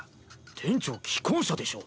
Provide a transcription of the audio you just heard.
店長既婚者でしょ。